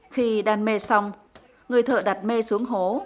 khi đam mê xong người thợ đặt mê xuống hố